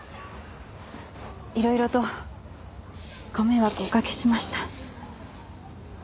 いろいろとご迷惑をおかけしました。